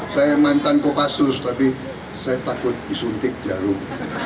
saya mantan kopassus tapi saya takut disuntik jarum